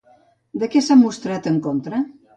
De què s'ha mostrat en contra?